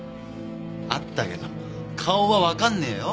会ったけど顔はわかんねえよ？